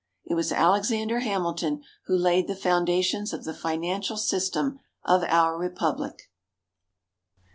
It was Alexander Hamilton who laid the foundations of the financial system of our Republic.